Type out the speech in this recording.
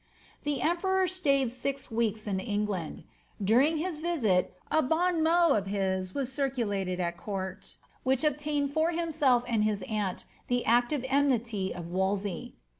* The emperor stayed six weeks in England. During his visit, a bon mot of his was circulated at court, which obtained for himself and bis aunt the active enmity of Wolsey.